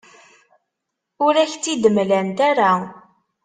Ur ak-tt-id-mlant ara.